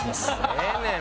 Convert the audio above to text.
ええねん